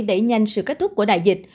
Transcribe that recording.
đẩy nhanh sự kết thúc của đại dịch